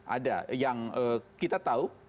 ada yang kita tahu